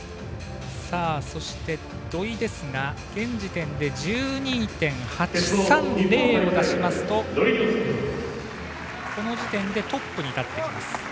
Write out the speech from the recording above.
そして土井ですが、現時点で１２．８３０を出しますとこの時点でトップに立ちます。